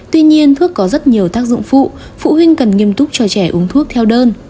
tuy nhiên thuốc có rất nhiều tác dụng phụ phụ huynh cần nghiêm túc cho trẻ uống thuốc theo đơn